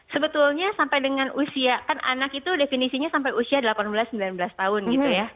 sebetulnya sampai dengan usia kan anak itu definisinya sampai usia delapan belas sembilan belas tahun gitu ya